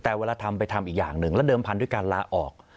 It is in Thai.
แต่เวลาทำไปทำอีกอย่างหนึ่งแล้วเดิมพันธุ์ด้วยการลาออก